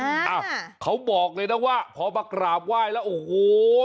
เขาบอกเลยนะว่าพอมากราบไหว้แล้วโอ้โห